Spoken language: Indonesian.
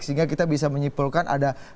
sehingga kita bisa menyimpulkan ada